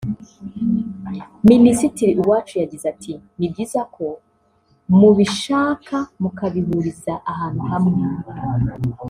Minisitiri Uwacu yagize ati “Ni byiza ko mubishaka mukabihuriza ahantu hamwe